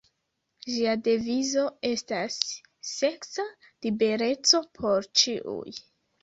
Ĝia devizo estas "seksa libereco por ĉiuj".